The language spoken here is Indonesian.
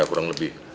ya kurang lebih